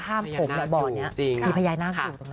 ห้ามโผล่แบบเบาะนี้มีพยายามน่าสูง